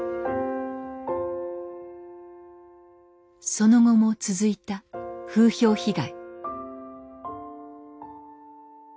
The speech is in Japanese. その後も続いた風評被害。